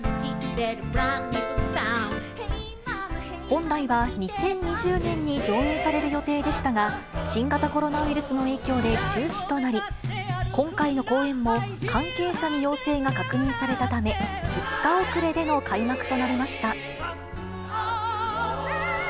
本来は２０２０年に上演される予定でしたが、新型コロナウイルスの影響で中止となり、今回の公演も、関係者に陽性が確認されたため、２日遅れでの開幕となりました。